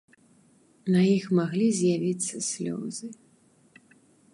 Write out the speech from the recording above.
На іх маглі з'явіцца слёзы.